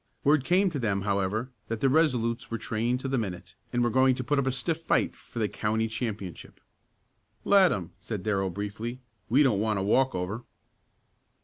Word came to them, however, that the Resolutes were trained to the minute, and were going to put up a stiff fight for the county championship. "Let 'em," said Darrell briefly. "We don't want a walk over."